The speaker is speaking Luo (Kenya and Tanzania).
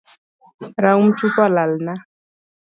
Raum chupa olalna